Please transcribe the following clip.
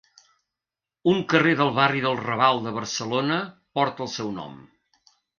Un carrer del barri del Raval de Barcelona porta el seu nom.